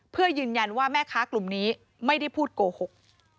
เพื่อยืนยันว่าแม่ค้ากลุ่มนี้ไม่ได้พูดโกหก